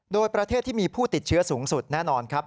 โดยประเทศที่มีผู้ติดเชื้อสูงสุดแน่นอนครับ